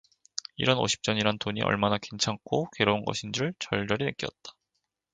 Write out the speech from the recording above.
일 원 오십 전이란 돈이 얼마나 괜찮고 괴로운 것인 줄 절절히 느끼었다.